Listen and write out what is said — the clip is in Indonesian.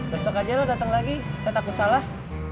besok aja lo datang lagi saya takut salah